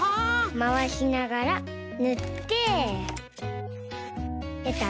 まわしながらぬってペタペタペタ。